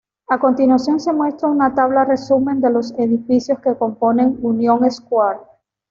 A continuación se muestra una tabla resumen de los edificios que componen Union Square.